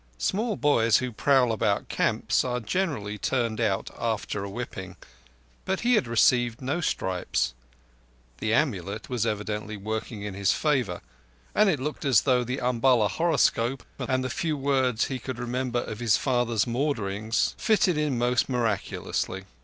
Small boys who prowl about camps are generally turned out after a whipping. But he had received no stripes; the amulet was evidently working in his favour, and it looked as though the Umballa horoscope and the few words that he could remember of his father's maunderings fitted in most miraculously.